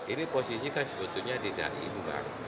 ini posisi kan sebetulnya tidak ibu kan